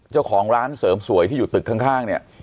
เจ้าของร้านเสริมสวยที่อยู่ตึกข้างเนี่ย